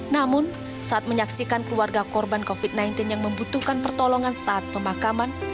namun saat menyaksikan keluarga korban covid sembilan belas yang membutuhkan pertolongan saat pemakaman